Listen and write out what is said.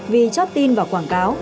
vì chót tin và quảng cáo